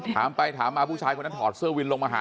ถามไปถามมาผู้ชายคนนั้นถอดเสื้อวินลงมาหา